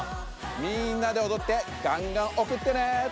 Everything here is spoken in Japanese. みんなでおどってがんがんおくってね！